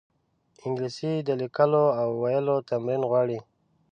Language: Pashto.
انګلیسي د لیکلو او ویلو تمرین غواړي